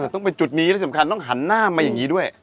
ต้องเป็นจุดนี้และสำคัญต้องหันหน้ามาอย่างนี้ด้วย